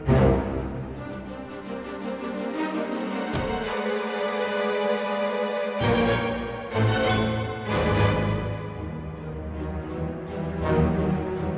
itu tuh tau kakak apa itu